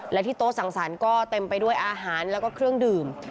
และที่โต๊ะสั่งสรรค์ก็เต็มไปด้วยอาหารแล้วก็เครื่องดื่ม